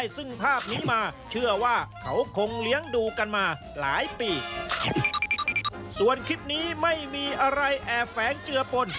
ส่วนคลิปนี้ไม่มีอะไรแอบแฝงเจือปน